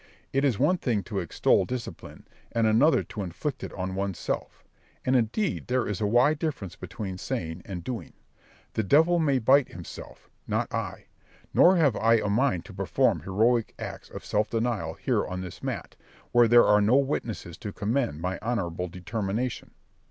It is one thing to extol discipline, and another to inflict it on one's self; and indeed there is a wide difference between saying and doing. The devil may bite himself, not I; nor have I a mind to perform heroic acts of self denial here on this mat, where there are no witnesses to commend my honourable determination.